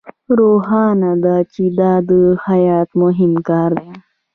روښانه ده چې دا د خیاط مهم کار دی